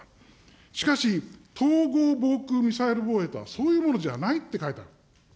しかし、統合防空ミサイル防衛とはそういうものじゃないって書いてある。